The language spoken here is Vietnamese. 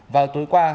vào tối qua